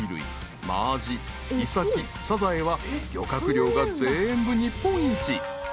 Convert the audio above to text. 真アジイサキサザエは漁獲量が全部日本一］